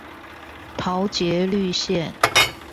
桃捷綠線